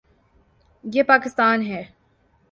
یہ پاکستان ہے۔